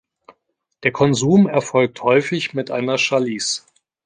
Der Konsum erfolgt häufig mit einer Chalice.